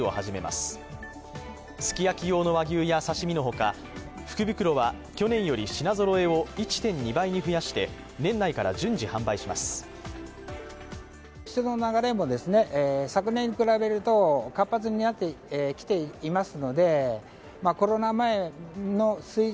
すき焼き用の和牛や刺身の他、福袋は去年より品ぞろえを１．２倍に増やして年内から順次、販売します。